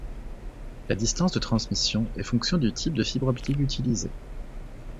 La distance de transmission est fonction du type de fibre optique utilisée.